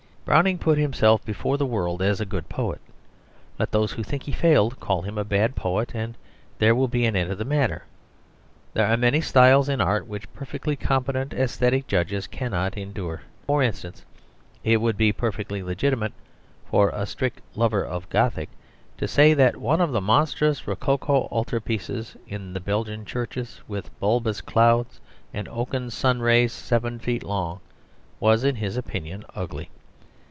Browning put himself before the world as a good poet. Let those who think he failed call him a bad poet, and there will be an end of the matter. There are many styles in art which perfectly competent æsthetic judges cannot endure. For instance, it would be perfectly legitimate for a strict lover of Gothic to say that one of the monstrous rococo altar pieces in the Belgian churches with bulbous clouds and oaken sun rays seven feet long, was, in his opinion, ugly.